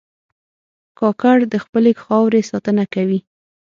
کاکړ د خپلې خاورې ساتنه کوي.